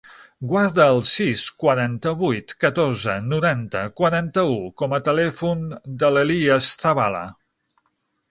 Guarda el sis, quaranta-vuit, catorze, noranta, quaranta-u com a telèfon de l'Elías Zabala.